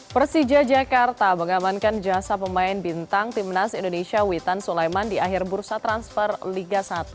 persija jakarta mengamankan jasa pemain bintang timnas indonesia witan sulaiman di akhir bursa transfer liga satu